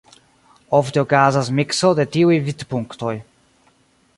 Ofte okazas mikso de tiuj vidpunktoj.